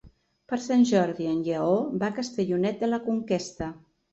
Per Sant Jordi en Lleó va a Castellonet de la Conquesta.